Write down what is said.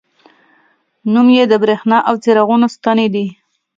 نوم یې د بریښنا او څراغونو ستنې دي.